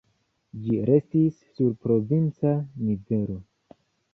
Ĝi restis sur provinca nivelo.